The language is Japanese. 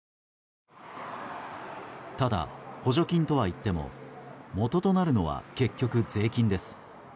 ただ、補助金とはいってももととなるのは結局、税金です。